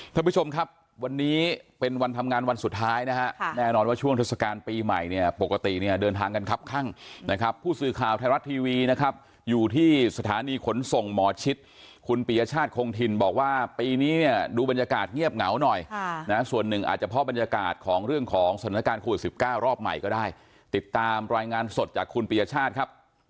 ท่านผู้ชมครับวันนี้เป็นวันทำงานวันสุดท้ายนะฮะแน่นอนว่าช่วงทศกาลปีใหม่เนี่ยปกติเนี่ยเดินทางกันครับครั่งนะครับผู้สื่อข่าวไทยรัตน์ทีวีนะครับอยู่ที่สถานีขนส่งหมอชิดคุณปียชาติคงถิ่นบอกว่าปีนี้เนี่ยดูบรรยากาศเงียบเหงาหน่อยนะส่วนหนึ่งอาจจะเพราะบรรยากาศของเรื่องของสถานการณ์คู่